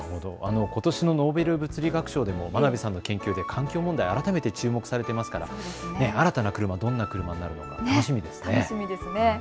ことしのノーベル物理学賞でも真鍋さんの研究で環境問題が改めて注目されていますから新たな車、どんな車になるのか楽しみですね。